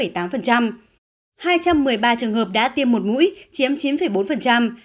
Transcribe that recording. hai trăm một mươi ba trường hợp đã tiêm một mũi chiếm chín bốn